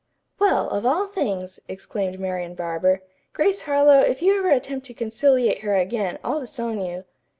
"Well, of all things!" exclaimed Marian Barber. "Grace Harlowe, if you ever attempt to conciliate her again, I'll disown you."